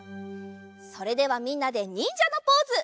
それではみんなでにんじゃのポーズ。